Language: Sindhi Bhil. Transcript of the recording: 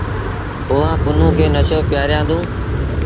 اُئآݩ پنهون کي نشو پيٚآريآندون۔